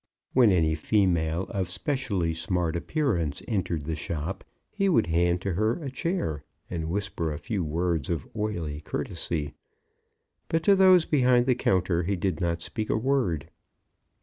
When any female of specially smart appearance entered the shop, he would hand to her a chair, and whisper a few words of oily courtesy; but to those behind the counter he did not speak a word.